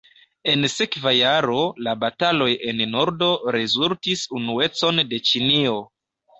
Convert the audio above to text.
En sekva jaro, la bataloj en nordo rezultis unuecon de Ĉinio.